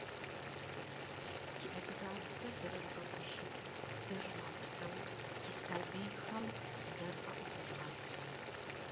Давай закажем себе такие парики!